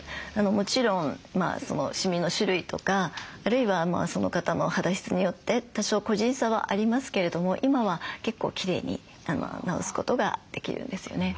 もちろんシミの種類とかあるいはその方の肌質によって多少個人差はありますけれども今は結構きれいに治すことができるんですよね。